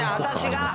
私が！